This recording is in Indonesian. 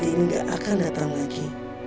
ini gak akan datang lagi